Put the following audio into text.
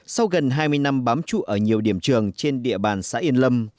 sau gần hai mươi năm bám trụ ở nhiều điểm trường trên địa bàn xã yên lâm